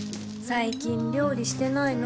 最近料理してないの？